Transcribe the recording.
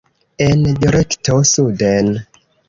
En direkto suden.